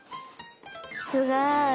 すごい。